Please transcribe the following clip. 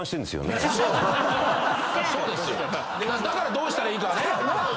だからどうしたらいいかね。